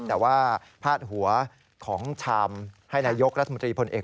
แต่ว่าพาดหัวของชามให้นายกรัฐมนตรีพลเอก